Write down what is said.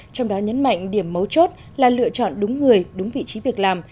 trong đó nhấn mạnh điểm mấu chốt là lựa chọn đúng người đúng vị trí việc làm